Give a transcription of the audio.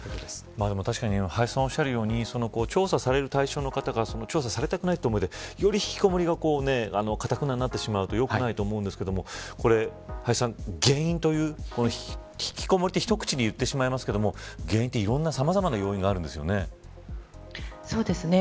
確かに林さんがおっしゃるように調査される対象の方が調査されたくないということでよりひきこもりが頑なになってしまうとよくないと思うんですがひきこもりって一口に言ってしまいますが原因は、さまざまな要因があるんですよね。